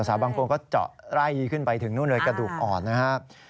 บางคนก็เจาะไล่ขึ้นไปถึงนู่นเลยกระดูกอ่อนนะครับ